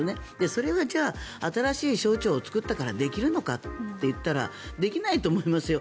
それをじゃあ、新しい省庁を作ったからできるのかといったらできないと思いますよ。